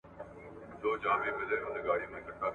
که مجلس وي نو خبرې نه خلاصیږي.